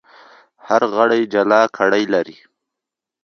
هر غړی جلا ګړۍ لري.